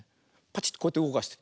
パチッてこうやってうごかして。